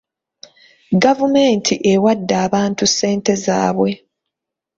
Gavumenti ewadde abantu ssente zaabwe.